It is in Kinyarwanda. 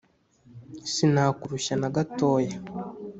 Sinakurushya na gatoya,